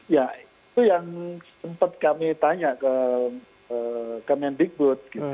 ya itu yang sempat kami tanya ke kementerian diput